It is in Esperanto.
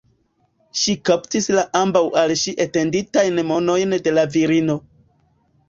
Ŝi kaptis la ambaŭ al ŝi etenditajn manojn de la virino.